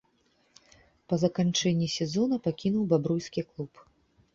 Па заканчэнні сезона пакінуў бабруйскі клуб.